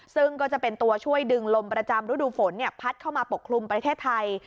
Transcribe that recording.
ซึ่งก็จะเป็นตัวช่วยดึงลมประจำฤดูฝนพัดเข้ามาปกคลุมประเทศไทย